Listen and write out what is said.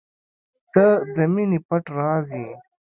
• ته د مینې پټ راز یې.